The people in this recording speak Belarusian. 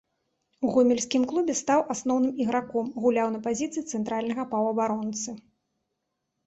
У гомельскім клубе стаў асноўным іграком, гуляў на пазіцыі цэнтральнага паўабаронцы.